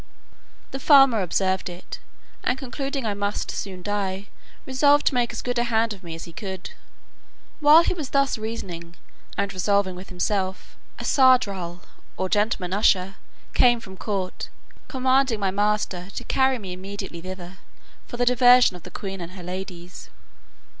The farmer observed it, and concluding I must soon die, resolved to make as good a hand of me as he could. While he was thus reasoning and resolving with himself, a sardral, or gentleman usher, came from court, commanding my master to carry me immediately thither for the diversion of the queen and her ladies.